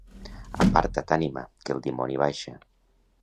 Aparta't, ànima, que el dimoni baixa.